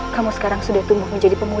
kamu sekarang sudah tumbuh menjadi pemuda